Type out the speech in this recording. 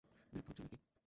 বিরক্ত হচ্ছেন নাকি?